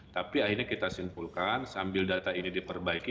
tapi akhirnya kita simpulkan sambil data ini diperbaiki